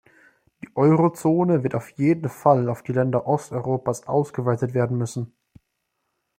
Die Eurozone wird auf jeden Fall auf die Länder Osteuropas ausgeweitet werden müssen.